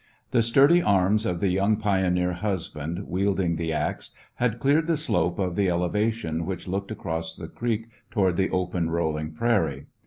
The sturdy arms of the young pioneer husband, wielding the ax, had cleared the slope of the elevation which looked across the creek toward the open, rolling prairie.